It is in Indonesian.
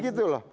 nah gitu loh